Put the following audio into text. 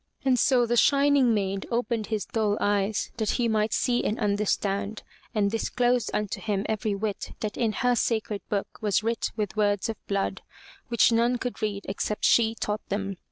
And so the shining maid opened his dull eyes that he might see and under stand, and disclosed unto him every whit that in her sacred book was writ with words of blood, which none could read except she taught them.